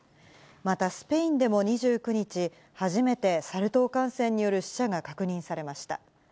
また、スペインでも２９日、初めてサル痘感染による死者が確認されました。